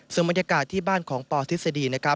สมรรยากาศที่บ้านของปธิษฎี